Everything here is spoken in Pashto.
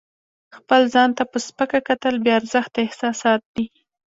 خپل ځان ته په سپکه کتل بې ارزښته احساسات دي.